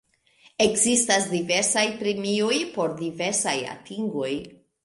Ekzistas diversaj premioj por diversaj atingoj.